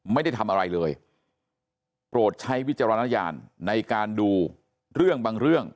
ไม่ได้ทำอะไรเลยโปรดใช้วิจารณญาณในการดูเรื่องบางเรื่อง